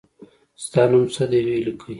ستا نوم څه دی وي لیکی